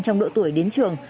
trong độ tuổi đến trường